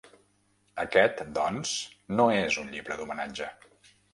Aquest, doncs, no és un llibre d’homenatge.